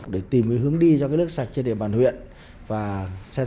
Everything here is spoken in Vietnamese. để tìm hướng đi cho nước sạch trên địa bàn huyện và xem xét các bất cập